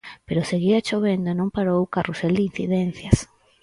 Pero seguía chovendo e non parou o carrusel de incidencias.